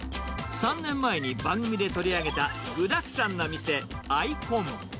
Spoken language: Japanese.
３年前に番組で取り上げた具だくさんな店、アイコン。